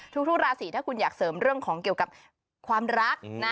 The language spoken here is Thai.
ทุกราศีถ้าคุณอยากเสริมเรื่องของเกี่ยวกับความรักนะ